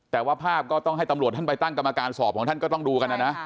แต่ว่าภาพก็ต้องให้ตำรวจท่านไปตั้งกรรมการสอบของท่านก็ต้องดูกันนะนะ